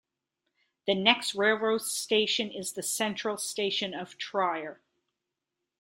The next railway station is the central station of Trier.